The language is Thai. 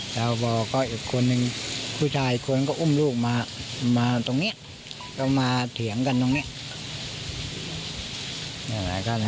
แล้วก็คุณหนึ่งผู้ชายอุ้มลูกมาตรงเนี้ยก็มาเถียงกันตรงเนี้ย